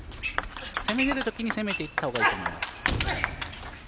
攻めれる時に攻めていった方がいいと思います。